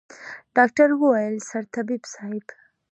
ډاکتر وويل سرطبيب صايب.